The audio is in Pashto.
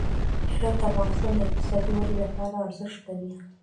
هرات د افغانستان د اقتصادي ودې لپاره ارزښت لري.